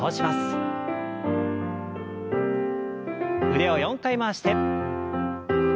腕を４回回して。